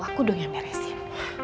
aku dong yang meresin